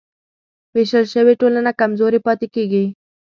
وېشل شوې ټولنه کمزورې پاتې کېږي.